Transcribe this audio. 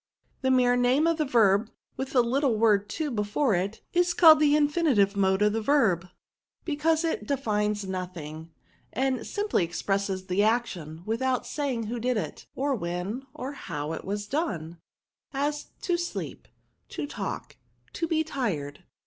The VfiRBS. ^U mere name of the verb, with the little word tOf before it, is called the i^finUwe mode of the verb, because it defines nothing, and simply expresses the action, without saying who did it^ or when or how it was done; «s, to sleep, to talk, to be tired."